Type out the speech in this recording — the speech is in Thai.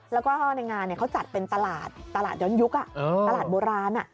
แล้วก็ในงานเขาจัดเป็นตลาดตลาดย้อนยุคตลาดโบราณ